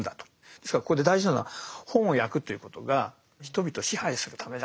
ですからここで大事なのは本を焼くっていうことが人々を支配するためだと言わないんですね。